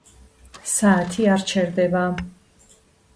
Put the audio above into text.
საათი არ ჩერდება